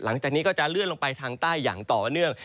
หลังจากนี้ก็จะเลื่อนลงไปทางใต้อย่างต่อเนื่อง